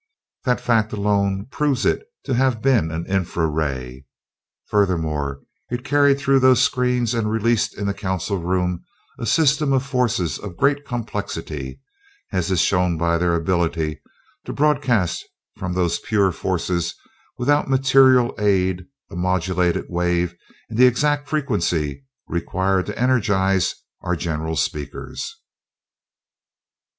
That fact alone proves it to have been an infra ray. Furthermore, it carried through those screens and released in the council room a system of forces of great complexity, as is shown by their ability to broadcast from those pure forces without material aid a modulated wave in the exact frequency required to energize our general speakers.